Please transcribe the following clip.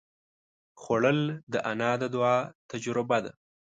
خوړل د انا د دعا تجربه ده